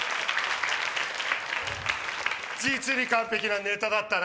実に完璧なネタだったな。